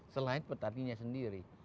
selain petaninya sendiri